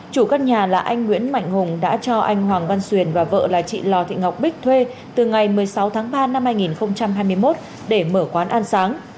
chủ căn nhà là anh nguyễn mạnh hùng đã cho anh hoàng văn xuyền và vợ là chị lò thị ngọc bích thuê từ ngày một mươi sáu tháng ba năm hai nghìn hai mươi một để mở quán ăn sáng